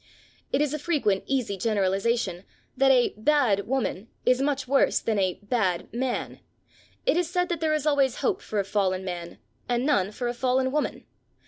It is a frequent easy generalisation that a "bad" woman is much worse than a "bad" man. It is said that there is always hope for a fallen man and none for a fallen woman.